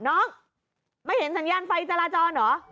น้องไม่เห็นสัญญาณไฟจราจรเหรอ